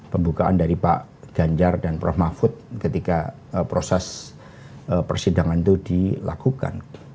pembukaan dari pak ganjar dan prof mahfud ketika proses persidangan itu dilakukan